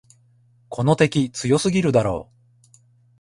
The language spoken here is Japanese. この敵、強すぎるだろ。